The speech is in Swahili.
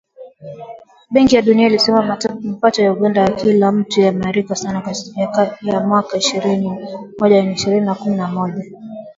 Benki ya Dunia ilisema mapato ya Uganda kwa kila mtu yaliimarika sana kati ya mwaka ishirini na moja na ishirini na kumi na moja